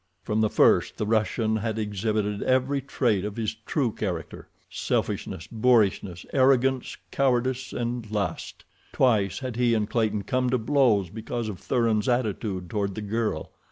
From the first the Russian had exhibited every trait of his true character—selfishness, boorishness, arrogance, cowardice, and lust. Twice had he and Clayton come to blows because of Thuran's attitude toward the girl.